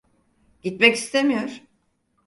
Gitmek istemiyor.